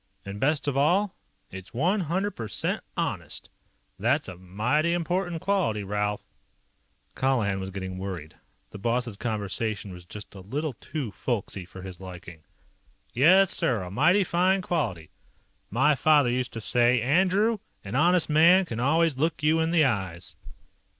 And best of all, it's one hundred percent honest. That's a mighty important quality, Ralph." Colihan was getting worried. The boss's conversation was just a little too folksy for his liking. "Yes, sir, a mighty fine quality. My father used to say: 'Andrew, an honest man can always look you in the eyes.'"